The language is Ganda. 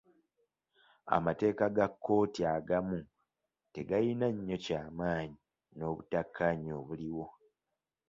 Amateeka ga kkooti agamu tegayina nnyo kyamanyi n'obutakkaanya obuliwo.